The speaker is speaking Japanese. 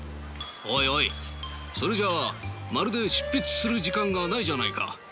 おいおいそれじゃあまるで執筆する時間がないじゃないか。